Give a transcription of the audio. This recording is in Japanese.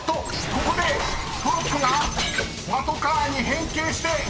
ここでトロッコがパトカーに変形して飛んでいく！］